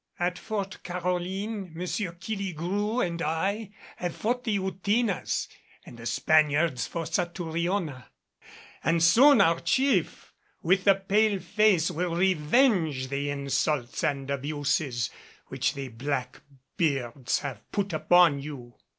At Fort Caroline Monsieur Killigrew and I have fought the Outinas and the Spaniards for Satouriona; and soon our chief with the pale face will revenge the insults and abuses which the Black beards have put upon you."